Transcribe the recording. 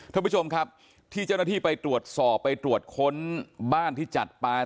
ท่านผู้ชมครับที่เจ้าหน้าที่ไปตรวจสอบไปตรวจค้นบ้านที่จัดปลา